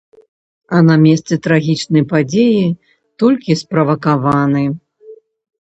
А на месцы трагічнай падзеі толькі справакаваны.